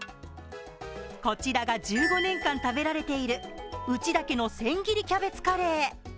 こちらが１５年間食べられている内田家の千切りキャベツカレー。